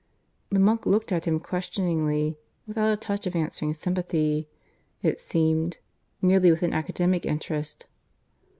The monk looked at him questioningly without a touch of answering sympathy, it seemed merely with an academic interest.